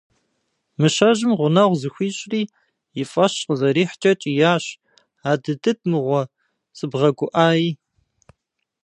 Мыщэжьым гъунэгъу зыхуищӏри и фӏэщ къызэрихькӏэ кӏиящ: «Адыдыд мыгъуэ сыбгъэгуӏай».